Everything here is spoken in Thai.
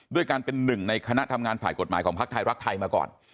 ด้วยการเป็นหนึ่งในคณะทำงานฝ่ายกฎหมายของพักไทยรักไทยมาก่อน